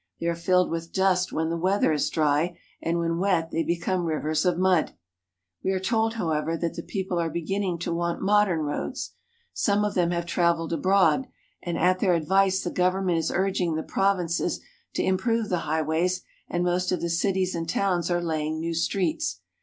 They are filled with dust when the weather is dry, and when wet they become rivers of mud. We are told, however, that the people are be ginning to want modern roads. Some of them have traveled abroad, and at their advice the government is urging the provinces to improve the highways, and most of the cities and towns are laying new streets.